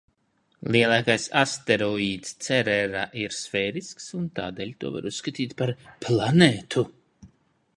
Lielākais asteroīds, Cerera, ir sfērisks un tādēļ to var uzskatīt par planētu.